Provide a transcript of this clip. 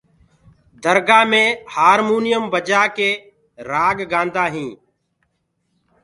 درگآه مي هآمونيم بجآ ڪآ رآڳ گآندآ هينٚ۔